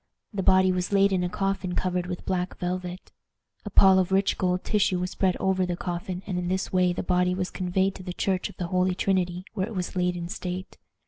The body was laid in a coffin covered with black velvet. A pall of rich gold tissue was spread over the coffin, and in this way the body was conveyed to the church of the Holy Trinity, where it was laid in state.